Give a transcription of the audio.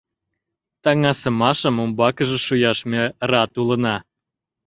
— Таҥасымашым умбакыже шуяш ме рат улына!